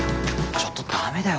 ちょっとダメだよ。